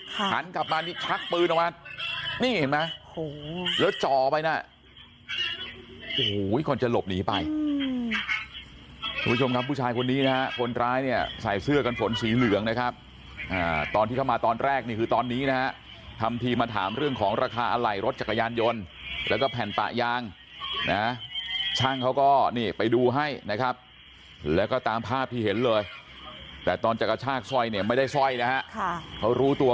หันกลับมานี่ชักปืนออกมานี่เห็นไหมโอ้โหแล้วจ่อไปน่ะโอ้โหก่อนจะหลบหนีไปทุกผู้ชมครับผู้ชายคนนี้นะฮะคนร้ายเนี่ยใส่เสื้อกันฝนสีเหลืองนะครับตอนที่เข้ามาตอนแรกนี่คือตอนนี้นะฮะทำทีมาถามเรื่องของราคาอะไหล่รถจักรยานยนต์แล้วก็แผ่นปะยางนะช่างเขาก็นี่ไปดูให้นะครับแล้วก็ตามภาพที่เห็นเลยแต่ตอนจะกระชากสร้อยเนี่ยไม่ได้สร้อยนะฮะค่ะเขารู้ตัว